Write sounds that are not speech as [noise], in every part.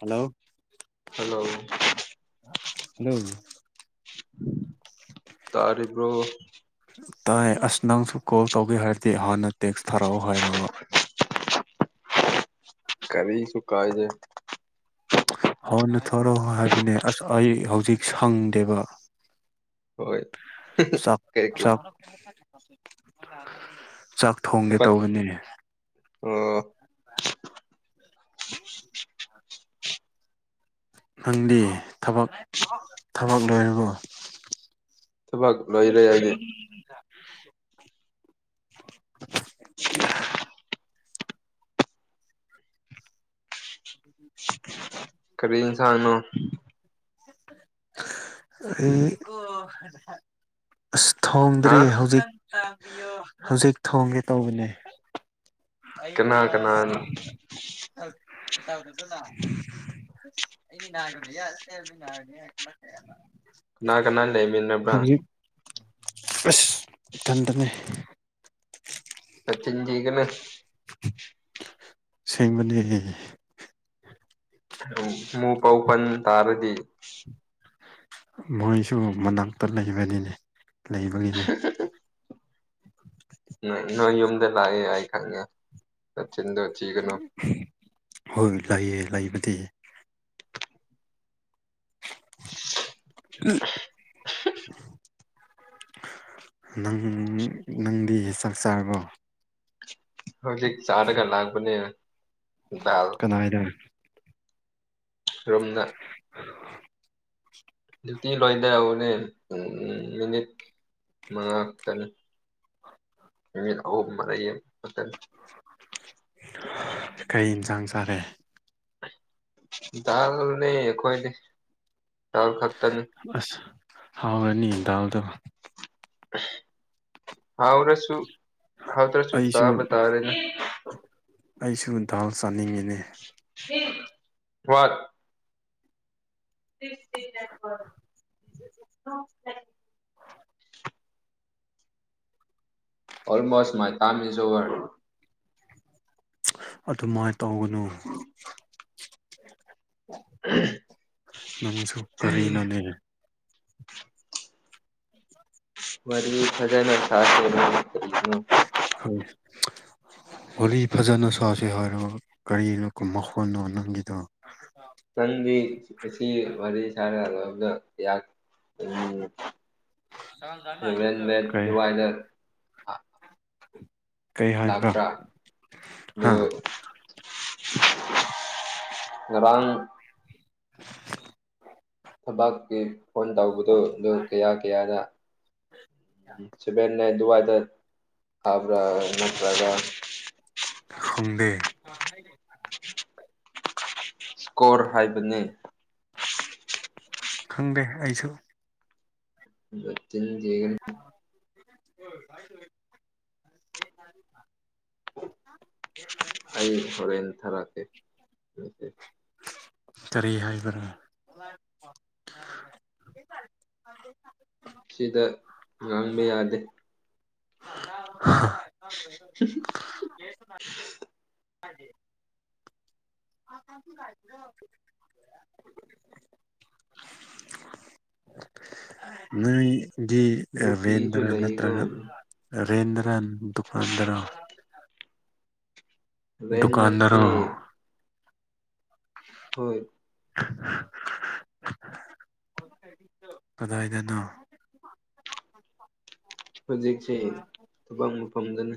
hello hello hello ꯇꯥꯔꯤꯕ꯭ꯔꯣ ꯇꯥꯏ ꯑꯁ ꯅꯪꯁꯨ ꯀꯣꯜ ꯇꯧꯒꯦ ꯍꯥꯏꯔꯗꯤ ꯍꯥꯟꯅ ꯇꯦꯛꯁ ꯊꯥꯔꯛꯑꯣ ꯍꯥꯏꯔꯕ ꯀꯔꯤꯁꯨꯨ ꯀꯥꯏꯗꯦ ꯊꯣꯛꯔꯣꯑꯣ ꯍꯥꯏꯕꯅꯦ ꯑꯁ ꯑꯩ ꯍꯧꯖꯤꯛ ꯁꯪꯗꯦꯕ ꯍꯣꯏ ꯆꯛ ꯀꯩ ꯀꯩ ꯆꯛ ꯆꯥꯛ ꯊꯣꯡꯒꯦ ꯊꯕꯛ ꯇꯧꯕꯅꯤ ꯑꯣ [inaudible] ꯅꯪꯗꯤ ꯊꯕꯛ ꯊꯕꯛ ꯂꯣꯏꯔꯕꯣ ꯊꯕꯛ ꯂꯣꯏꯔꯦ ꯑꯩꯗꯤ [unintelligible] ꯑꯥ [inaudible] ꯀꯔꯤ ꯏꯟꯁꯥꯡꯅꯣ ꯑꯩ ꯑꯁ ꯍꯥ ꯊꯣꯡꯗ꯭ꯔꯤ ꯍꯧꯖꯤꯛ ꯍꯧꯖꯤꯛ ꯊꯣꯡꯒꯦ ꯇꯧꯕꯅꯦ ꯑꯩ ꯀꯅꯥ ꯀꯅꯥ ꯀꯌꯅꯥ ꯊꯛ [unintelligible] [unintelligible] ꯀꯅꯥ ꯀꯅꯥ ꯂꯩꯃꯤꯟꯕ꯭ꯔ ꯍꯧꯖꯤꯛ ꯑꯁ ꯏꯊꯟꯗꯅꯦ ꯅꯆꯤꯟ ꯊꯤꯒꯅꯨ ꯁꯦꯡꯕꯅꯦ ꯍꯦ ꯃꯨ ꯄꯥꯎ ꯄꯟ ꯇꯥꯔꯗꯤ ꯃꯣꯏꯁꯨ ꯃꯅꯥꯛꯇ ꯂꯩꯕꯅꯤꯅꯦ ꯂꯩꯕꯒꯤꯅꯦ ꯅꯣꯏ ꯅꯣꯏ ꯌꯨꯝꯗ ꯂꯥꯛꯑꯦ ꯑꯩ ꯈꯪꯉꯦ ꯅꯆꯤꯟꯗꯣ ꯊꯤꯒꯅꯨ ꯍꯣꯏ ꯂꯩꯌꯦ ꯂꯩꯕꯗꯤ [inaudible] [inaudible] ꯅꯪ ꯅꯪꯗꯤ ꯆꯥꯛ ꯆꯥꯔꯔꯕꯣ ꯍꯧꯖꯤꯛ ꯆꯥꯔꯒ ꯂꯥꯛꯄꯅꯤ ꯆꯔꯣ ꯀꯅꯥꯏꯗ ꯔꯨꯝꯗ ꯅꯨꯄꯤ ꯂꯣꯏꯅꯧꯅꯦ ꯃꯤꯅꯤꯠ ꯃꯉꯥ ꯈꯛꯇꯅꯤ ꯃꯤꯅꯤꯠ ꯑꯍꯨꯝ ꯃ ꯂꯩꯌꯦ ꯀꯩ ꯏꯟꯁꯥꯡ ꯆꯥꯔꯦ ꯗꯥꯜꯅꯦ ꯑꯈꯣꯏꯗꯤ ꯗꯥꯜ ꯈꯛꯇꯅꯤ ꯑꯁ ꯍꯥꯎꯔꯅꯤ ꯗꯥꯜꯗꯣ [unintelligible] ꯍꯥꯎꯗꯁꯨ ꯍꯥꯎ ꯇ꯭ꯔꯁꯨ ꯑꯩꯁꯨ ꯆꯥꯕ ꯇꯥꯔꯦꯅꯦ ꯑꯩꯁꯨ ꯗꯥꯜ ꯆꯥꯅꯤꯡꯉꯤꯅꯦ ꯍ꯭ꯋꯥꯠ [inaudible] ꯑꯣꯜꯃꯣꯁ ꯃꯥꯏ ꯇꯥꯝꯏ ꯏꯁ ꯑꯣꯕ꯭ꯔ ꯑꯗꯨꯃꯥꯏꯅ ꯇꯧꯒꯅꯨ ꯅꯪꯁꯨ ꯀꯔꯤꯅꯣꯅꯦ ꯋꯥꯔꯤ ꯐꯖꯅ ꯁꯥꯁꯦ ꯗꯨꯗꯤ ꯍꯣꯏ [inaudible] ꯋꯥꯔꯤ ꯐꯖꯅ ꯁꯥꯁꯤ ꯍꯥꯏꯔꯣ ꯀꯔꯤꯅꯣ ꯃꯈꯣꯜꯅꯣ ꯅꯪꯒꯤꯗꯣ ꯅꯪꯗꯤ ꯉꯁꯤ ꯋꯥꯔꯤ ꯁꯥ [unintelligible] ꯁꯚꯦꯟ ꯕꯦꯠ ꯀꯩ ꯑꯗꯨꯋꯥꯏꯗ ꯀꯩ ꯍꯥꯏꯕ꯭ꯔꯥ ꯂꯥꯛꯄ꯭ꯔꯥ ꯑꯗꯨ ꯍꯥ ꯉꯔꯥꯡ ꯊꯕꯛꯀꯤ ꯐꯣꯟ ꯇꯧꯕ ꯑꯗꯨ ꯑꯗꯨ ꯀꯌꯥ ꯀꯌꯥꯔ ꯎ ꯁꯚꯦꯟ ꯅꯥꯏꯟ ꯑꯗꯨꯋꯥꯏꯗ ꯁꯥꯕ꯭ꯔꯥ ꯅꯠꯇ꯭ꯔꯒ ꯈꯪꯗꯦ ꯁ꯭ꯀꯣꯔ ꯍꯥꯏꯕꯅꯦ ꯈꯪꯗꯦ ꯑꯩꯁꯨ ꯅꯆꯤꯟ ꯊꯤꯒꯅꯨ [inaudible] ꯑꯩ ꯍꯣꯔꯦꯟ ꯊꯥꯔꯛꯀꯦ ꯃꯦꯁꯦꯁ ꯀꯔꯤ ꯍꯥꯏꯕꯔ [inaudible] ꯁꯤꯗ ꯉꯥꯡꯕ ꯌꯥꯗꯦ [inaudible] [unintelligible] [inaudible] [inaudible] ꯅꯨꯏ ꯗꯤ ꯑ ꯅꯨꯄꯤꯁꯨ ꯚꯦꯟꯗꯔꯥ ꯂꯩꯀꯣ ꯅꯠꯇ꯭ꯔꯒ ꯔꯦꯟꯗꯔꯥ ꯗꯨꯀꯥꯟꯗꯔꯣ ꯔꯦꯟ ꯅꯠꯇꯦ ꯗꯨꯀꯥꯟꯗꯔꯣ ꯍꯣꯏ ꯀꯗꯥꯏꯗꯅꯣ ꯍꯧꯖꯤꯛꯁꯤ ꯊꯕꯛ ꯃꯐꯝꯗꯅꯦ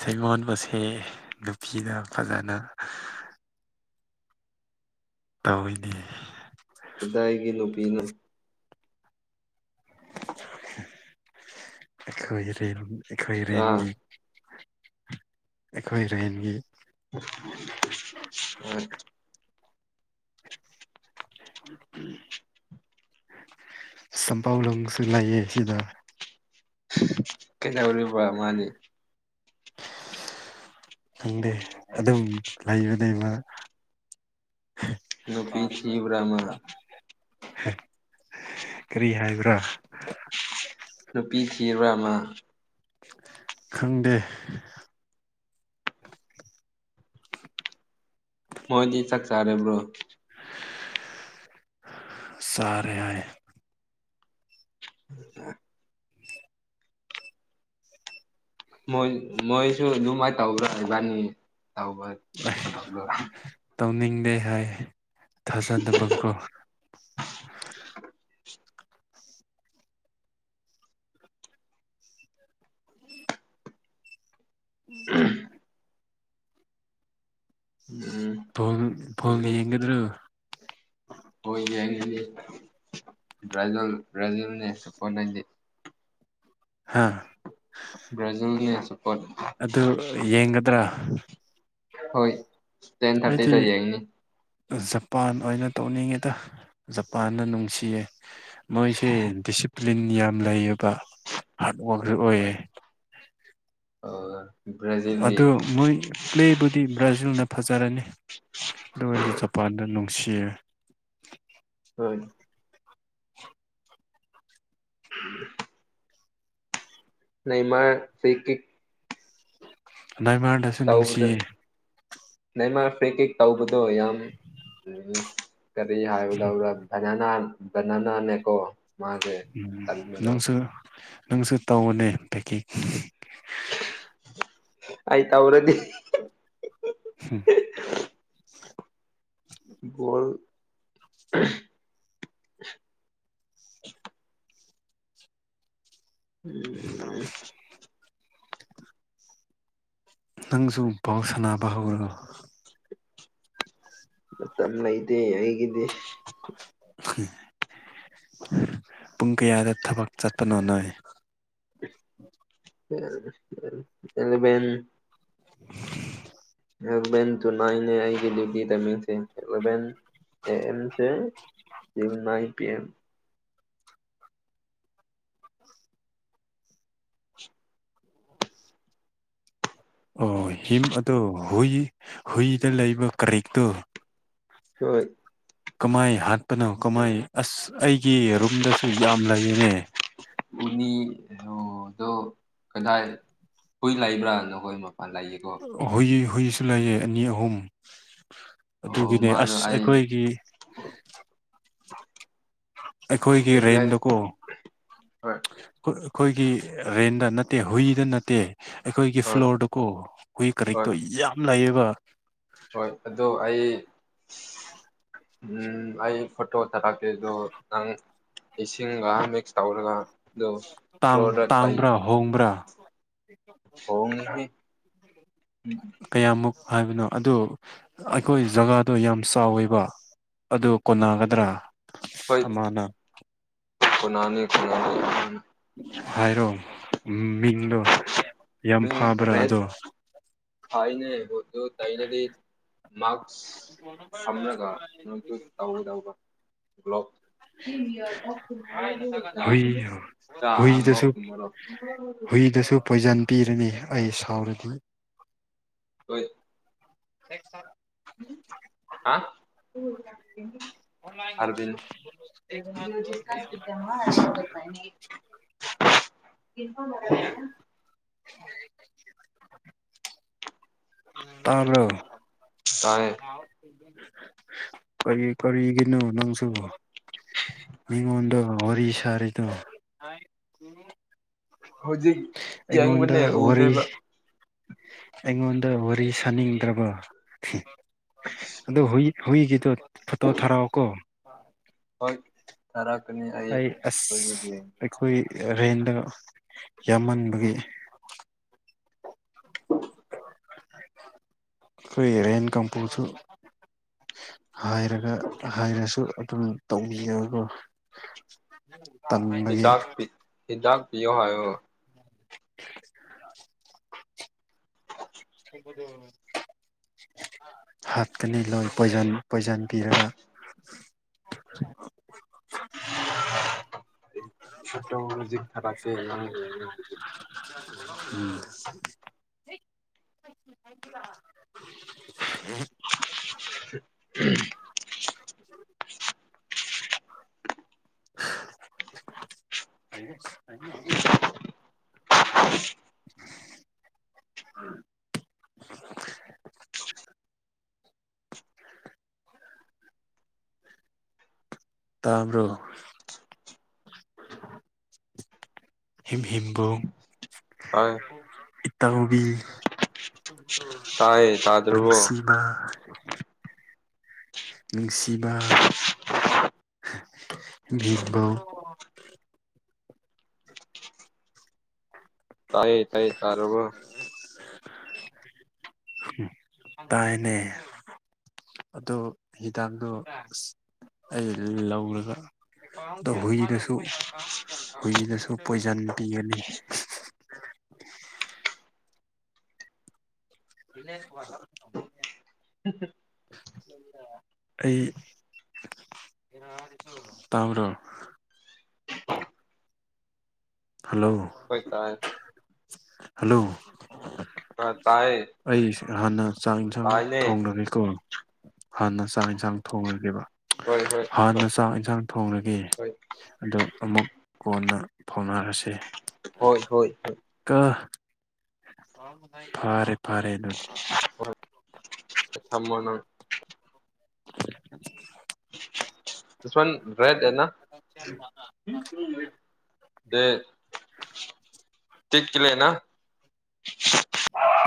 ꯁꯩꯉꯣꯟꯕꯁꯦ ꯅꯨꯄꯤꯗ ꯐꯖꯅ ꯇꯧꯏꯅꯦ ꯄꯤꯅꯨ ꯑꯩꯈꯣꯏꯔꯦꯟ ꯑꯩꯈꯣꯏ ꯑꯥ ꯏꯔꯦꯟꯒꯤ ꯑꯩꯈꯣꯏ ꯔꯦꯟꯒꯤ ꯍꯣꯢ ꯁꯄꯥꯎ ꯂꯨꯡꯁꯨ ꯂꯩꯌꯦ ꯑꯁꯤꯗ ꯀꯩꯩꯗꯧꯔꯤꯕ ꯃꯥꯅꯤ ꯈꯪꯗꯦ ꯑꯗꯨꯝ ꯂꯩꯕꯅꯦ ꯃꯥ ꯅꯨꯄꯤ ꯊꯤꯕ꯭ꯔꯥ ꯃꯥ ꯀꯔꯤ ꯍꯥꯏꯕ꯭ꯔꯥ ꯅꯨꯄꯤ ꯊꯤꯕ꯭ꯔꯥ ꯃꯥ ꯈꯪꯗꯦ ꯃꯣꯢꯗꯤ ꯆꯥꯛ ꯆꯥꯔꯕ꯭ꯔꯣ ꯆꯥꯔꯦ ꯍꯣꯢ ꯃꯣꯏ ꯃꯣꯏꯁꯨ ꯑꯗꯨꯃꯥꯏꯅ ꯇꯧꯕ꯭ꯔꯥ ꯍꯥꯏꯕꯥꯅꯤ ꯇꯧꯕ [unintelligible] ꯀꯦ ꯍꯥꯏ ꯊꯥꯖꯗꯕꯀꯣ ꯎꯝ ꯎꯝ ꯕꯣꯜ ꯕꯣꯜ ꯅꯨꯃꯤꯠ ꯌꯦꯡꯒꯗ꯭ꯔꯣ ꯍꯣꯏ ꯌꯦꯡꯒꯅꯤ ꯕ꯭ꯔꯦꯖꯤꯜ ꯕ꯭ꯔꯦꯖꯤꯜꯅꯦ ꯁꯄꯣꯔꯠ ꯑꯩꯗꯤ ꯍꯥ ꯕ꯭ꯔꯥꯖꯤꯜꯅꯦ ꯁꯞꯄꯣꯔꯠ ꯑꯗꯨ ꯌꯦꯡꯒꯗ꯭ꯔꯥ ꯍꯣꯏ ꯑꯩꯗꯤ ꯌꯦꯡꯒꯅꯤꯗ ꯌꯦꯡꯅꯤ ꯖꯄꯥꯟ ꯑꯣꯏꯅ ꯇꯧꯅꯤꯡꯉꯦꯗ ꯖꯄꯥꯟꯗ ꯅꯨꯡꯁꯤꯌꯦ ꯃꯣꯏꯁꯦ ꯗꯤꯁꯤꯞ ꯂꯤꯟ ꯌꯥꯝ ꯂꯩꯌꯦꯕ ꯍꯥꯔꯠ ꯋꯥꯔꯛꯁꯨ ꯑꯣꯏꯌꯦ ꯑ ꯑꯗꯨ ꯃꯣꯏ ꯄ꯭ꯂꯦꯕꯨꯗꯤ ꯕ꯭ꯔꯥꯖꯤꯜꯅ ꯐꯖꯔꯅꯤ ꯑꯗꯨ ꯑꯣꯏꯔꯁꯨ ꯖꯄꯥꯟꯗ ꯅꯨꯡꯁꯤꯌꯦ ꯍꯣꯢꯅꯦ [inaudible] [inaudible] ꯂꯩꯃ ꯇꯦꯀꯤ ꯅꯥꯏꯃꯥꯔꯗꯁꯨ ꯅꯨꯡꯁꯤꯌꯦ ꯅꯩꯃꯥꯔ ꯐ꯭ꯔꯦꯛ ꯀꯤꯡ ꯇꯧꯕꯗꯣ ꯌꯥꯝ ꯎ ꯀꯔꯤ ꯍꯥꯏꯕꯗꯕꯗ ꯕꯅꯅꯥ ꯕꯅꯅꯥꯅꯦꯀꯣ ꯎꯝ ꯅꯪꯁꯨ ꯅꯪꯁꯨ ꯇꯧꯧꯕꯅꯦ ꯄꯦꯛꯀꯤꯡ ꯑꯩ ꯇꯧꯔꯗꯤ ꯀꯣꯔ ꯑꯦ ꯅꯪꯁꯨ ꯕꯣꯟ ꯁꯅꯥꯕ ꯍꯧꯔꯕꯣ ꯃꯇꯝ ꯂꯩꯇꯦ ꯑꯩꯒꯤꯗꯤ ꯄꯨꯡ ꯀꯌꯥꯗ ꯊꯕꯛ ꯆꯠꯄꯅꯣ ꯅꯪ [inaudible] ꯑꯦꯂꯕꯦꯟ ꯑꯦꯂꯚꯦꯟ ꯇꯨ ꯅꯥꯏꯟꯅꯦ ꯑꯩꯒꯤ ꯗ꯭ꯌꯨꯇꯤ ꯇꯥꯏꯃꯤꯡꯁꯦ ꯑꯦꯂꯚꯦꯟ ꯑꯦ ꯑꯦꯝꯁꯦ ꯅꯥꯢꯟ ꯄꯤ ꯑꯦꯝ ꯑꯣ ꯍꯤꯝ ꯑꯗꯣ ꯍꯨꯏ ꯍꯨꯏꯗ ꯂꯩꯕ ꯀꯔꯤꯛꯇꯣ ꯍꯣꯏ ꯀꯃꯥꯏ ꯍꯥꯠꯄꯅꯣ ꯀꯃꯥꯏ ꯑꯁ ꯑꯩꯒꯤ ꯔꯨꯝꯗꯁꯨ ꯌꯥꯝ ꯂꯩꯌꯦꯅꯦ ꯎꯅꯤ ꯑꯣꯗꯣ ꯀꯗꯥꯏ ꯍꯨꯏ ꯂꯩꯕ꯭ꯔꯥ ꯅꯈꯣꯏꯕꯣ ꯍꯨꯢ ꯍꯨꯢꯁꯨ ꯂꯩꯥꯏꯌꯦ ꯑꯅꯤ ꯑꯍꯨꯝ ꯑꯣ ꯑꯗꯨꯒꯤꯅꯦ ꯃꯥꯗꯣ ꯑꯁ ꯑꯩ ꯑꯩꯈꯣꯏꯒꯤ ꯑꯩꯈꯣꯏꯒꯤ ꯔꯤꯄ꯭ꯂꯥꯏ ꯔꯦꯟꯗꯀꯣ ꯍꯣꯏ ꯑꯩꯈꯣꯏ- ꯑꯩꯈꯣꯏꯒꯤ ꯔꯦꯟꯗ ꯅꯠꯇꯦ ꯍꯨꯏꯗ ꯅꯠꯇꯦ ꯑꯩꯈꯣꯏꯒꯤ ꯍꯣꯏ ꯐ꯭ꯂꯣꯔꯗꯨꯀꯣ ꯍꯨꯏ ꯍꯣꯏ ꯀꯔꯤꯛꯇꯣ ꯌꯥꯝ ꯂꯥꯏꯌꯦꯕ ꯍꯣꯏ ꯑꯗꯨ ꯑꯩ ꯎꯝ ꯑꯩ ꯐꯣꯇꯣ ꯊꯥꯔꯛꯀꯦ ꯗꯣ ꯅꯪ ꯏꯁꯤꯡꯒ ꯃꯤꯛꯁ ꯇꯧꯔꯒ ꯑꯗꯨ ꯇꯥꯡ ꯐ꯭ꯂꯣꯔꯗ ꯇꯩ ꯇꯥꯡꯕ꯭ꯔꯥ ꯍꯣꯡꯕ꯭ꯔꯥ ꯈꯣꯡꯉꯦꯍꯦ ꯀꯌꯥꯃꯨꯛ ꯍꯥꯏꯕꯅꯣ ꯑꯗꯨ ꯑꯩꯈꯣꯏ ꯖꯒꯥꯗꯣ ꯌꯥꯝ ꯆꯥꯎꯋꯦꯕ ꯑꯗꯣ ꯀꯣꯟꯅꯒꯗ꯭ꯔꯥ ꯍꯣꯏ ꯑꯃꯅ ꯀꯣꯅꯅꯤ ꯀꯣꯅꯅꯤ ꯍꯥꯏꯔꯣ ꯃꯤꯡꯗꯣ ꯌꯥꯝ ꯐꯕ꯭ꯔꯥ ꯑꯗꯣ ꯐꯩꯅꯦ ꯕꯣꯇꯣ ꯇꯩꯔꯗꯤ ꯃꯥꯛꯁ ꯁꯝꯔꯒ ꯀꯩꯅꯣꯗꯣ ꯇꯧꯒꯗꯕ ꯒ꯭ꯂꯣꯞ ꯍꯨꯏ ꯍꯨꯏꯗꯁꯨ [unintelligible] ꯍꯨꯏꯗꯁꯨ ꯄꯣꯏꯖꯟ ꯄꯤꯔꯅꯤ ꯑꯩ ꯁꯥꯎꯔꯗꯤ ꯍꯣꯏ [unintelligible] ꯑ ꯥ [unintelligible] [unintelligible] [inaudible] ꯇꯥꯕ꯭ꯔꯣ ꯑꯩ ꯀꯔꯤꯒꯤꯅꯣ ꯅꯪꯁꯨ ꯃꯤꯉꯣꯟꯗ ꯋꯥꯔꯤ ꯁꯥꯔꯤꯗꯣ ꯑꯩꯉꯣꯟꯗ ꯋꯥꯔꯤ ꯑꯩꯉꯣꯟꯗ ꯋꯥꯔꯤ ꯁꯥꯅꯤꯡꯗ꯭ꯔꯕ ꯑꯗꯨ ꯍꯨꯏ ꯍꯨꯢꯒꯤꯗꯣ ꯐꯣꯇꯣ ꯊꯥꯔꯛꯎꯀꯣ ꯑꯩ ꯑꯁ ꯑꯩꯈꯣꯏ ꯔꯦꯟꯗ ꯌꯥꯝꯃꯟꯕꯒꯤ ꯈꯣꯏ ꯔꯦꯟ ꯀꯝꯄꯧꯁꯨ ꯍꯥꯏꯔꯒ ꯍꯥꯏꯔꯁꯨ ꯑꯗꯨꯝ ꯇꯧꯕꯤꯌꯣ ꯎꯝ ꯍꯤꯗꯥꯛ ꯍꯤꯗꯥꯛ ꯄꯤꯌꯣ ꯍꯥꯏꯌꯣ [inaudible] ꯍꯥꯠꯀꯅꯤ ꯂꯣꯏ ꯄꯣꯏꯖꯟ ꯄꯣꯏꯖꯟ ꯄꯤꯔꯒ ꯑꯩ ꯐꯣꯠꯇꯣ ꯍꯧꯖꯤꯛ ꯊꯥꯔꯛꯀꯦ ꯅꯪ ꯌꯦꯡꯉꯣ ꯍꯧꯖꯤꯛ ꯎꯝ [inaudible] [inaudible] [unintelligible] ꯇꯥꯕ꯭ꯔꯣ ꯍꯤꯝꯍꯤꯕꯣꯡ ꯏꯇꯥꯎꯕꯤ ꯇꯥꯏꯌꯦ ꯇꯥꯗ꯭ꯔꯕꯣ ꯅꯨꯡꯁꯤꯕ ꯅꯨꯡꯁꯤꯕ ꯚꯤꯚꯣ ꯇꯥꯏꯌꯦ ꯇꯥꯏ ꯇꯥꯔꯕ ꯇꯥꯏꯅꯦ ꯑꯗꯣ ꯍꯤꯗꯥꯛꯗꯣ ꯑꯁ ꯑꯩ ꯂꯧꯔꯒ ꯗꯣ ꯍꯨꯏꯗꯁꯨ ꯍꯨꯏꯗꯁꯨ ꯄꯣꯏꯖꯟ ꯄꯤꯒꯅꯤ [unintelligible] [inaudible] ꯑꯩ ꯇꯥꯥꯕ꯭ꯔꯣ ꯍꯜꯂꯣ ꯍꯣꯏ ꯇꯥꯢ ꯍꯜꯂꯣ ꯗꯥꯜ ꯆꯥꯢꯌꯦ ꯑꯩ ꯍꯥꯟꯅ ꯆꯥꯛ ꯌꯦꯟꯁꯥꯡ ꯊꯣꯡꯅꯒꯦꯀꯣ ꯍꯥꯟꯅ ꯆꯥꯛ ꯌꯦꯟꯁꯥꯡ ꯊꯣꯡꯉꯒꯦꯕ ꯍꯣꯏ ꯍꯣꯏ ꯍꯣꯏ ꯍꯥꯟꯅ ꯆꯥꯛ ꯌꯦꯟꯁꯥꯡ ꯊꯣꯡꯔꯒ ꯍꯣꯏ ꯑꯗꯣ ꯑꯃꯨꯛ ꯀꯣꯟꯅ ꯍꯧꯅꯔꯁꯦ ꯍꯣꯏ ꯍꯣꯏ ꯍ ꯐꯔꯦ ꯐꯔꯦ ꯗꯨꯗꯤ ꯍꯣꯏ ꯊꯝꯃꯣ ꯅꯪ [inaudible] ꯖꯁꯋꯟ ꯕ꯭ꯔꯦꯠ ꯗꯦꯅꯥ [unintelligible] [inaudible]